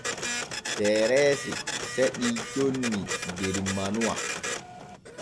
Tereesi seɗii conni der manuwa.